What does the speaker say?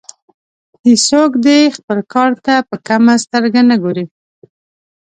هیڅوک دې خپل کار ته په کمه سترګه نه ګوري.